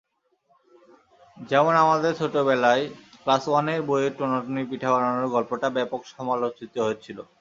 যেমন আমাদের ছোটবেলায় ক্লাস ওয়ানের বইয়ের টোনাটুনি পিঠা বানানোর গল্পটা ব্যাপক সমালোচিত হয়েছিল।